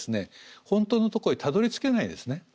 本当のとこへたどりつけないですね。